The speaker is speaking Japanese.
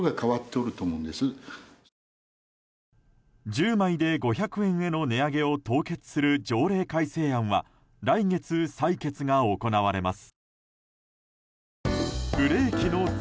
１０枚で５００円への値上げを凍結する条例改正案は来月、採決が行われます。